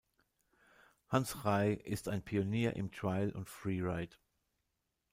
Hans Rey ist ein Pionier im Trial und Freeride.